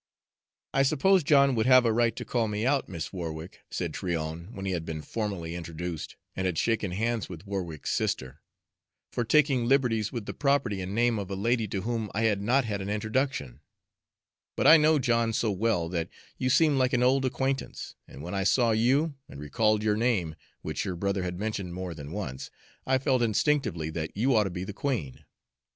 "I suppose John would have a right to call me out, Miss Warwick," said Tryon, when he had been formally introduced and had shaken hands with Warwick's sister, "for taking liberties with the property and name of a lady to whom I had not had an introduction; but I know John so well that you seemed like an old acquaintance; and when I saw you, and recalled your name, which your brother had mentioned more than once, I felt instinctively that you ought to be the queen.